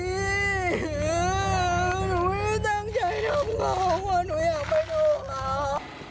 หนูไม่ได้ตั้งใจทำงงว่าหนูอยากไปโดนมา